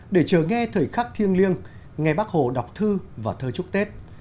để chờ nghe thời khắc thiêng liêng nghe bác hồ đọc thư và thơ chúc tết